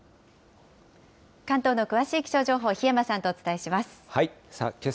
関東の詳しい気象情報、檜山さんとお伝えします。